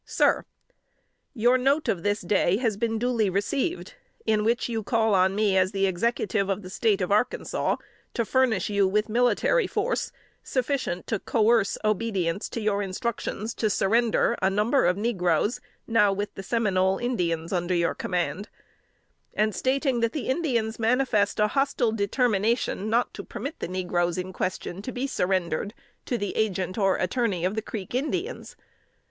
"SIR: Your note of this day has been duly received, in which you call on me as the Executive of the State of Arkansas to furnish you military force, sufficient to coerce obedience to your instructions to surrender a number of negroes, now with the Seminole Indians under your command; and stating that the Indians manifest a hostile determination not to permit the negroes in question to be surrendered to the agent or attorney of the Creek Indians.